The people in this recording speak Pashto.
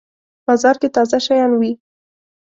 بازار کی تازه شیان وی